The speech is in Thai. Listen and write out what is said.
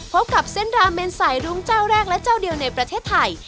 พบกับเส้นราเมนสายรุ้งเจ้าแรกและเจ้าเดียวในประเทศไทย